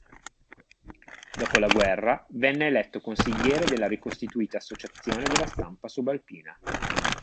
Dopo la guerra venne eletto consigliere della ricostituita Associazione della Stampa Subalpina.